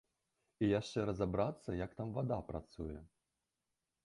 І яшчэ разабрацца, як там вада працуе.